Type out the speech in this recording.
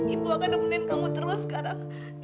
ibu akan nemenin kamu terus sekarang